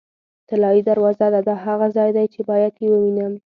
طلایي دروازه ده، دا هغه ځای دی چې باید یې ووینم.